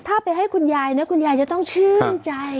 ถ้าไปให้คุณยายนะคุณยายจะต้องชื่นใจ